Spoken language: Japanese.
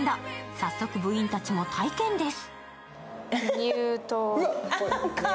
早速、部員たちも体験です。